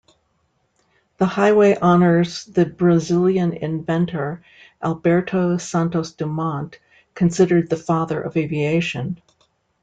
The highway honours the Brazilian inventor Alberto Santos-Dumont, considered the "father of aviation".